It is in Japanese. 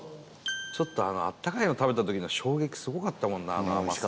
ちょっと、あのあったかいの食べた時の衝撃すごかったもんなあの甘さ。